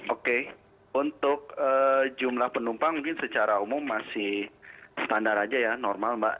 oke untuk jumlah penumpang mungkin secara umum masih standar aja ya normal mbak